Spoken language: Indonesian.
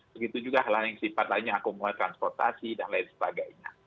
begitu juga hal hal yang sifat lainnya akumulasi transportasi dan lain sebagainya